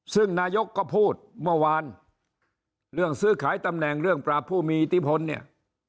ซึ่งนายกก็พูดเมื่อวานเรื่องซื้อขายตำแหน่งเรื่องปราบผู้มีอิทธิพลเนี่ย